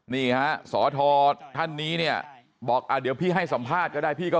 นี่ฮะสอทรท่านนี้เนี่ยบอกเดี๋ยวพี่ให้สัมภาษณ์ก็ได้พี่ก็